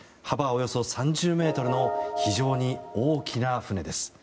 およそ３０ｍの非常に大きな船です。